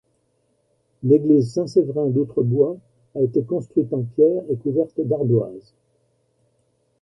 L'église Saint-Séverin d'Outrebois a été construite en pierre et couverte d'ardoise.